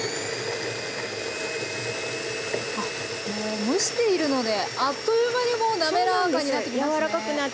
あっこれ蒸しているのであっという間にもうなめらかになってきますね。